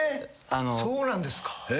そうなんですか。